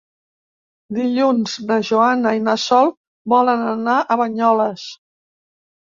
Dilluns na Joana i na Sol volen anar a Banyoles.